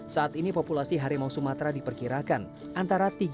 saat ini populasi harimau sumatera terkenal dengan kebanyakan harimau